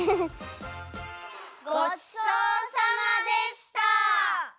ごちそうさまでした！